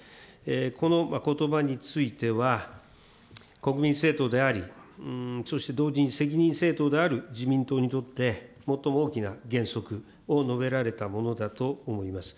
このことばについては、国民政党であり、そして同時に責任政党である自民党にとって、最も大きな原則を述べられたものだと思います。